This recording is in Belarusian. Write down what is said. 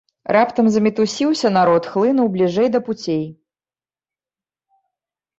Раптам замітусіўся народ, хлынуў бліжэй да пуцей.